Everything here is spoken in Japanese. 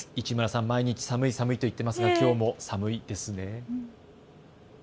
市村さん、毎日寒い寒いと言っていますが、きょうも寒いですね。